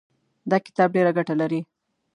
دا کتاب ډېره ګټه لري.